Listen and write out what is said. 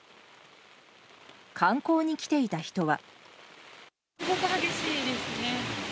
観光に来ていた人は。